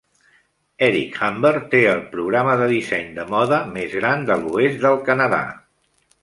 Eric Hamber té el programa de disseny de moda més gran de l'oest del Canadà.